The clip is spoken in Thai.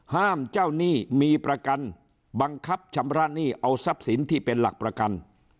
เจ้าหนี้มีประกันบังคับชำระหนี้เอาทรัพย์สินที่เป็นหลักประกัน